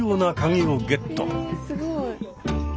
えすごい。